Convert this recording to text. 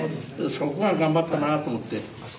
そこが頑張ったなと思って。